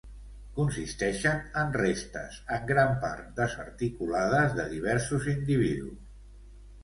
Consisteixen en restes en gran part desarticulades de diversos individus.